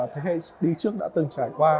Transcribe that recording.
thế hệ đi trước đã từng trải qua